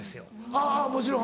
あぁもちろん。